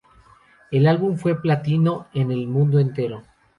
El álbum fue platino en el mundo entero.